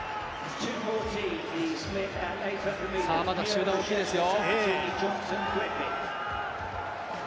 まだ集団、大きいですよ。